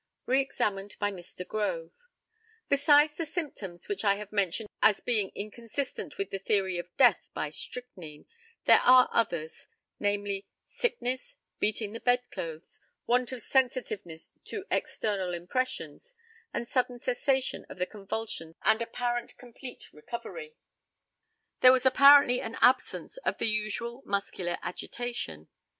Re examined by Mr. GROVE: Besides the symptom which I have mentioned as being inconsistent with the theory of death by strychnine, there are others namely, sickness, beating the bed clothes, want of sensitiveness to external impressions, and sudden cessation of the convulsions and apparent complete recovery. There was apparently an absence of the usual muscular agitation.